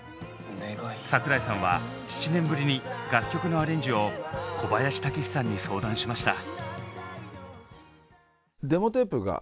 桜井さんは７年ぶりに楽曲のアレンジを小林武史さんに相談しました。